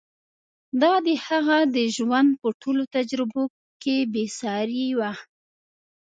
دا د هغه د ژوند په ټولو تجربو کې بې سارې وه.